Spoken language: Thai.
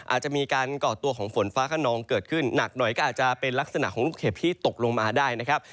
อาจจะมีการก่อตัวของฝนฟ้าขนองเกิดขึ้นหนักหน่อยก็อาจจะเป็นลักษณะของลูกเห็บที่ตกลงมาได้นะครับ